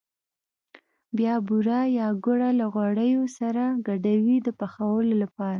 بیا بوره یا ګوړه له غوړیو سره ګډوي د پخولو لپاره.